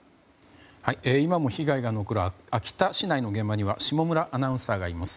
今も被害残る秋田市内の現場には下村アナウンサーがいます。